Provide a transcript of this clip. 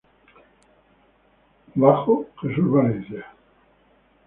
Bajo: Jesús Valencia.